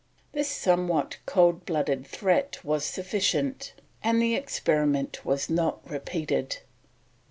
This somewhat cold blooded threat was sufficient, and the experiment was not repeated.